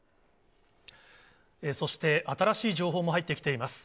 そして、新しい情報も入ってきています。